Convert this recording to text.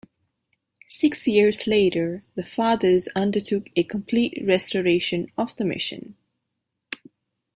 Six years later, the fathers undertook a complete restoration of the Mission.